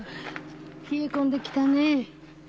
冷え込んできたね。